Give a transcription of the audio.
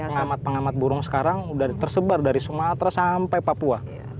pengamat pengamat burung sekarang sudah tersebar dari sumatera sampai papua